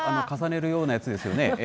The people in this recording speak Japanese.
重ねるようなやつですよね。